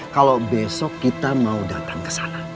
kalau besok kita mau datang ke sana